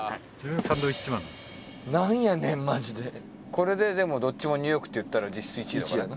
これででもどっちも「ニューヨーク」って言ったら実質１位だからね。